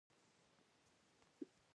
په دایمي توګه حمایه کړي.